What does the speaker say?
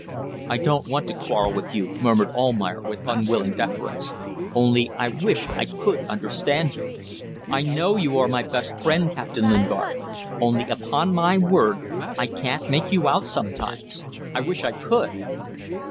"I don't want to quarrel with you," murmured Almayer with unwilling deference. "Only I wish I could understand you. I know you are my best friend, Captain Lingard; only, upon my word, I can't make you out sometimes! I wish I could